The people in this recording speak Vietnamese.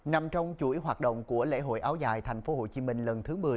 nằm trong chuỗi hoạt động của lễ hội áo dài tp hcm lần thứ một mươi